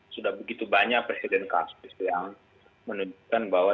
sudah begitu banyak presiden kasus yang menunjukkan bahwa